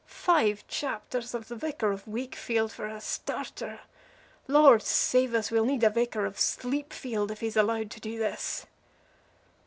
"Five chapters of the Vicar of Wakefield for a starter! Lord save us, we'll need a Vicar of Sleepfield if he's allowed to do this!"